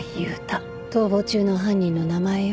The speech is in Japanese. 逃亡中の犯人の名前よ。